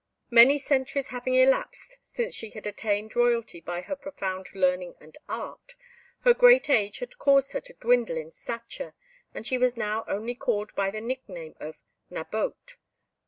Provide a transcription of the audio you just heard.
Many centuries having elapsed since she had attained royalty by her profound learning and art, her great age had caused her to dwindle in stature, and she was now only called by the nickname of Nabote.